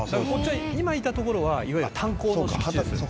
今いた所はいわゆる炭鉱の敷地です」